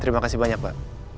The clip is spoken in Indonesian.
terima kasih banyak pak